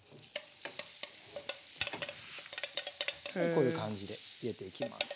こういう感じで入れていきます。